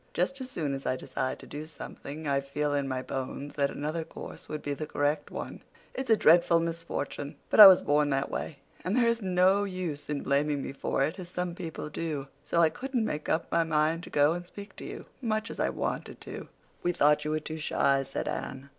Just as soon as I decide to do something I feel in my bones that another course would be the correct one. It's a dreadful misfortune, but I was born that way, and there is no use in blaming me for it, as some people do. So I couldn't make up my mind to go and speak to you, much as I wanted to." "We thought you were too shy," said Anne.